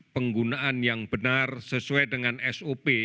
penggunaan yang benar sesuai dengan sop